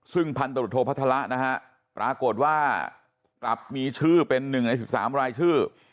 ซึ่งพันตรวจโทพัฒระนะฮะปรากฏว่ากลับมีชื่อเป็น๑ใน๑๓รายชื่อ